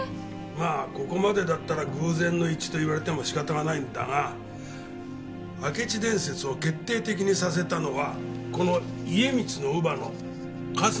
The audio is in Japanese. まあここまでだったら偶然の一致と言われても仕方がないんだが明智伝説を決定的にさせたのはこの家光の乳母の春日局だ。